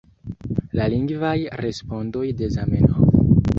La lingvaj respondoj de Zamenhof